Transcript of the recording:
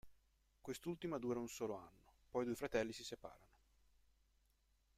Quest'ultima dura un solo anno, poi i due fratelli si separano.